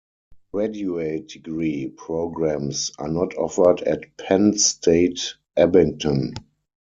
Graduate degree programs are not offered at Penn State Abington.